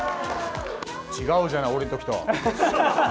違うじゃない、俺の時と。